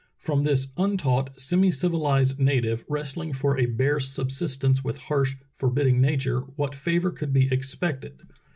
From this untaught, semi civilized native, wrestling for a bare subsistence with harsh, forbidding nature, what favor could be expected